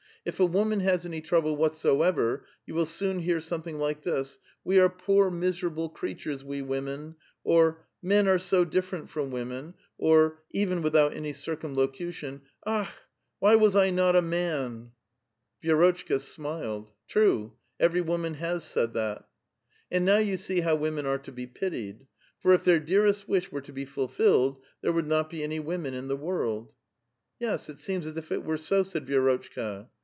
If a woman has any trouble whatso ever, you will soon hear something like this :' We are poor miserahle (jreatures, we women !' or, ' Men are so different from wom. Mi !' or even without any circumlocution, ^Akhl whv was I not a man ?*" Vi^'rotchka smiled. " True ; every woman has said that." " And now you see how women are to be pitied ; for if their dearest wish were to be fulfilled, there would not be any women in the world !"" Yes, it seems as if it were so," said Vi6rotchka.